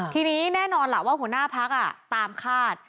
ทีนี้แน่นอนล่ะว่าหัวหน้าพักตามคาด